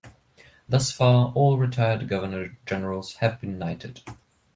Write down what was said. Thus far all retired governor-generals have been knighted.